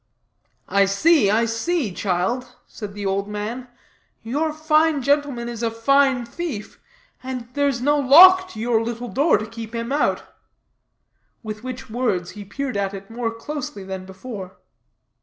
"I see, I see, child," said the old man; "your fine gentleman is a fine thief, and there's no lock to your little door to keep him out;" with which words he peered at it more closely than before.